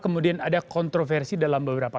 kemudian ada kontroversi dalam beberapa